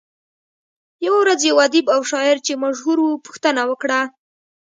يوه ورځ يو ادیب او شاعر چې مشهور وو پوښتنه وکړه.